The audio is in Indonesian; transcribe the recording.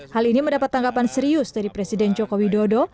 hal ini mendapat tanggapan serius dari presiden joko widodo